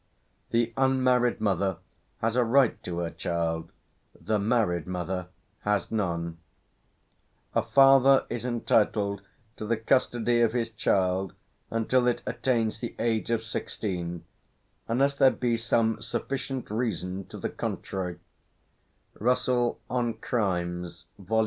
The unmarried mother has a right to her child; the married mother has none: "A father is entitled to the custody of his child until it attains the age of sixteen, unless there be some sufficient reason to the contrary" (Russell "On Crimes," vol.